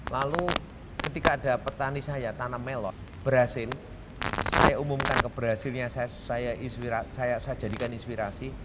lalu ketika ada petani saya tanam melon berhasil saya umumkan keberhasilnya saya jadikan inspirasi